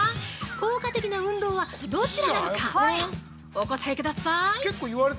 効果的な運動はどちらなのかお答えください！